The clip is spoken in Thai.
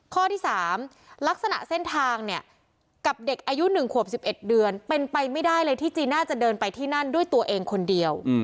ข้อที่๓ลักษณะเส้นทางเนี่ยกับเด็กอายุ๑ขวบ๑๑เดือนเป็นไปไม่ได้เลยที่จีนน่าจะเดินไปที่นั่นด้วยตัวเองคนเดียว